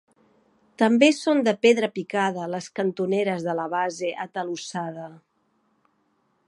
També són de pedra picada les cantoneres de la base atalussada.